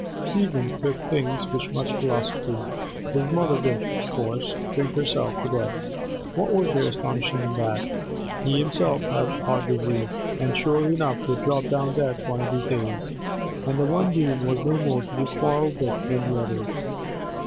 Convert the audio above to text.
Stephen took things with much philosophy; his mother would, of course, drink herself to death—what was there astonishing in that? He himself had heart disease, and surely enough would drop down dead one of these days; the one doom was no more to be quarrelled with than the other.